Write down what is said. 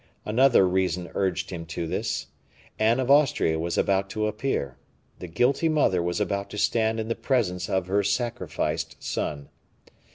Another reason urged him to this Anne of Austria was about to appear; the guilty mother was about to stand in the presence of her sacrificed son.